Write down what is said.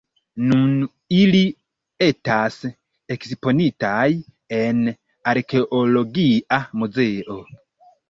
Nun ili etas eksponitaj en Arkeologia Muzeo.